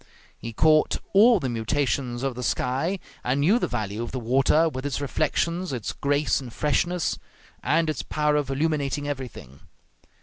He caught all the mutations of the sky, and knew the value of the water, with its reflections, its grace and freshness, and its power of illuminating everything.